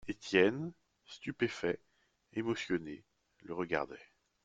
Étienne, stupéfait, émotionné, le regardait.